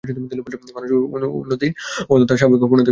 মানুষের উন্নতির অর্থ তাহার স্বাভাবিক পূর্ণতায় ফিরিয়া যাওয়া।